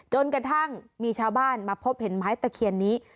จนกระทั่งมีชาวบ้านมาพบเห็นไม้ตะเคียนนี้